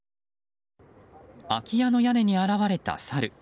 空き家の屋根に現れたサル。